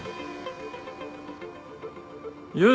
よし。